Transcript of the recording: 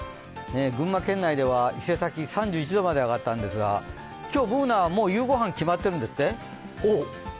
群馬県内では伊勢崎で３１度まで上がったんですが、今日Ｂｏｏｎａはもう夕ご飯、決まっているんですね。